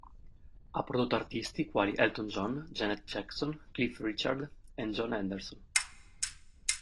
Ha prodotto artisti quali Elton John, Janet Jackson, Cliff Richard e Jon Anderson.